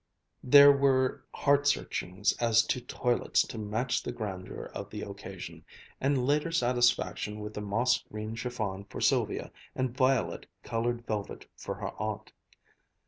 There were heart searchings as to toilets to match the grandeur of the occasion; and later satisfaction with the moss green chiffon for Sylvia and violet colored velvet for her aunt.